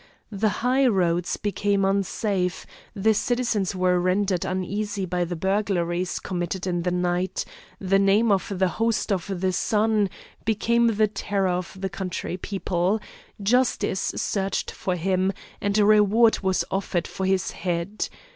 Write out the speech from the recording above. The high roads became unsafe; the citizens were rendered uneasy by the burglaries committed in the night; the name of the "Host of the Sun" became the terror of the country people, justice searched for him, and a reward was offered for his head.